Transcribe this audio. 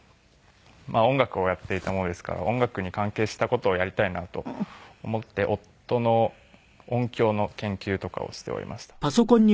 音楽をやっていたものですから音楽に関係した事をやりたいなと思って音の音響の研究とかをしておりました。